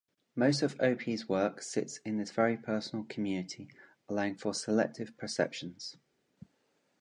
Most of Opie's work sits in this very personal community, allowing for selective perceptions.